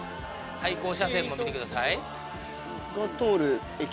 対向車線も見てください。